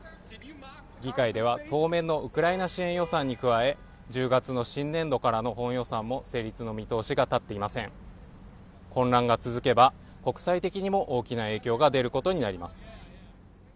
議会では当面のウクライナ支援予算に加え１０月の新年度からの本予算も成立の見通しが立っていません混乱が続けば国際的にも大きな影響が出ることになります